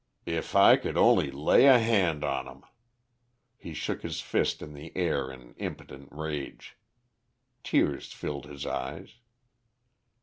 If I could only lay a hand on 'em!" He shook his fist in the air in impotent rage; tears filled his eyes.